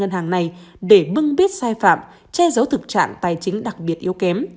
các nhà hàng này để bưng biết sai phạm che giấu thực trạng tài chính đặc biệt yếu kém